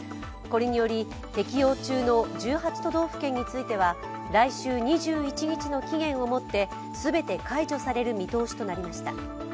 これにより適用中の１８都道府県については来週２１日の期限をもって、全て解除される見通しとなりました。